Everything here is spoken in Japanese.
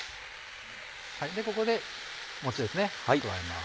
ここでもちですね加えます。